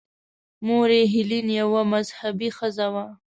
مور یې هیلین یوه مذهبي ښځه وه.